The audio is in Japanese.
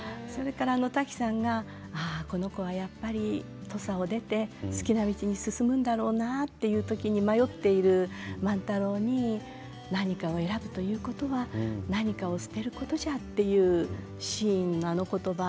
タキさんがこの子はやっぱり土佐を出て好きな道に進むだろうなという時に迷っている万太郎に何かを選ぶということは何かを捨てることじゃと言うシーン